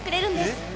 えっ！？